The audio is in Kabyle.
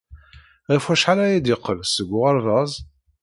Ɣef wacḥal ara d-yeqqel seg uɣerbaz?